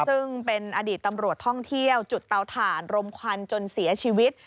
ซึ่งเป็นอดีตตำรวจท่องเที่ยวจุดเตาถ่านรมควันจนเสียชีวิต